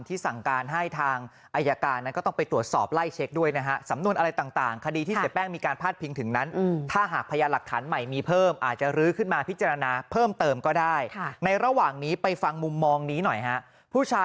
ที่สั่งการให้ทางอายการนั้นก็ต้องไปตรวจสอบไล่เช็กด้วยนะฮะ